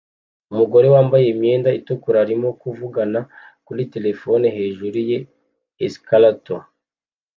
Umugore wambaye imyenda itukura arimo kuvugana kuri terefone hejuru ya escalator